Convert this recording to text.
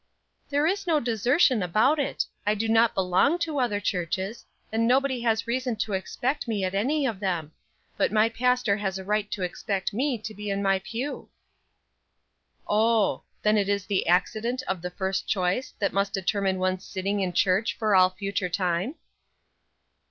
"There is no desertion about it. I do not belong to other churches, and nobody has reason to expect me at any of them; but my pastor has a right to expect me to be in my pew." "Oh; then it is the accident of the first choice that must determine one's sitting in church for all future time?"